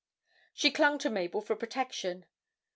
She clung to Mabel for protection.